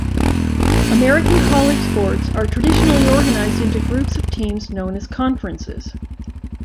American college sports are traditionally organized into groups of teams known as conferences.